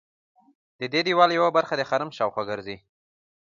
ددې دیوال یوه برخه د حرم شاوخوا ګرځي.